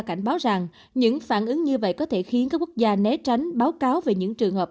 cảnh báo rằng những phản ứng như vậy có thể khiến các quốc gia né tránh báo cáo về những trường hợp